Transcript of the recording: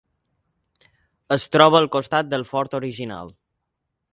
Es troba al costat del fort original.